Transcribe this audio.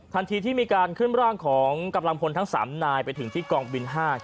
ทันทีที่มีการขึ้นร่างของกำลังพลทั้ง๓นายไปถึงที่กองบิน๕